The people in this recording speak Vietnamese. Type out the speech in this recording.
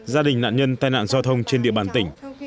gia đình nạn nhân tai nạn giao thông trên địa bàn tỉnh